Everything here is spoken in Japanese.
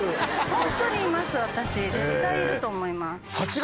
ホントにいます私絶対いると思います。